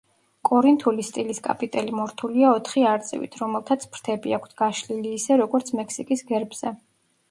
კორინთული სტილის კაპიტელი მორთულია ოთხი არწივით, რომელთაც ფრთები აქვთ გაშლილი ისე, როგორც მექსიკის გერბზე.